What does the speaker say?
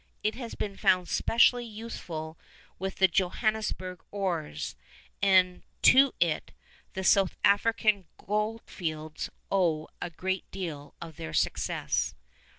It has been found specially useful with the Johannesburg ores, and to it the South African goldfields owe a great deal of their success.